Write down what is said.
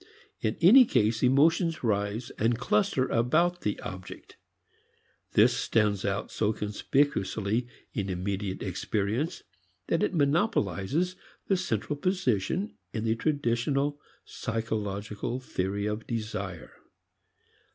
In any case, emotions rise and cluster about the object. This stands out so conspicuously in immediate experience that it monopolizes the central position in the traditional psychological theory of desire.